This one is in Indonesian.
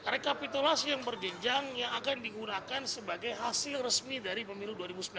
rekapitulasi yang berjenjang yang akan digunakan sebagai hasil resmi dari pemilu dua ribu sembilan belas